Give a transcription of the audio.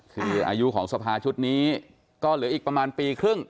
คืออายุของสภาชุดนี้ก็เหลืออีกประมาณปีครึ่ง